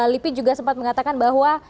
lipi juga sempat mengatakan bahwa